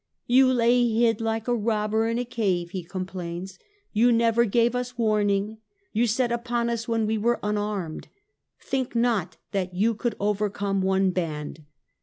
" You lay hid like a robber in a cave," he complains ;" you never gave us warning ; you set upon us when we were unarmed. Think not that you could overcome one band